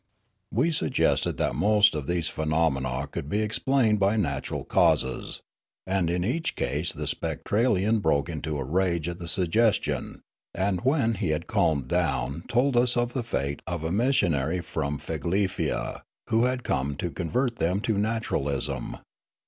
" We suggested that most of these phenomena could be explained by natural causes ; and in each case the Spectralian broke into rage at the suggestion, and when he had calmed down told us of the fate of a mis sionary from Figlefia, who had come to convert them to naturalism.